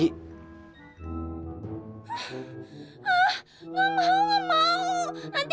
ah gak mau gak mau